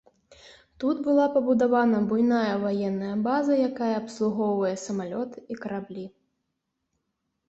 Тут была пабудавана буйная ваенная база, якая абслугоўвае самалёты і караблі.